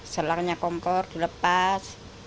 selangnya kompor dilepas